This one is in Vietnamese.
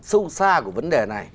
sâu xa của vấn đề này